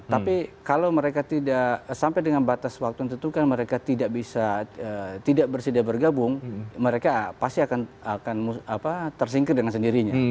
tapi kalau mereka tidak sampai dengan batas waktu yang tentukan mereka tidak bisa tidak bersedia bergabung mereka pasti akan tersingkir dengan sendirinya